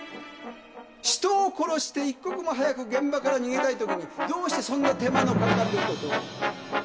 人を殺して一刻も早く現場から逃げたいときにどうしてそんな手間のかかることを？